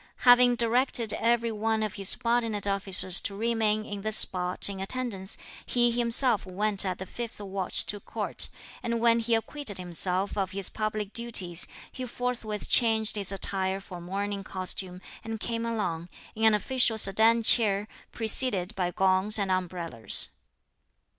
Having directed every one of his subordinate officers to remain in this spot in attendance, he himself went at the fifth watch to court, and when he acquitted himself of his public duties he forthwith changed his attire for a mourning costume, and came along, in an official sedan chair, preceded by gongs and umbrellas.